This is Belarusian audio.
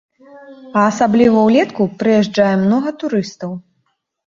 А асабліва ўлетку прыязджае многа турыстаў.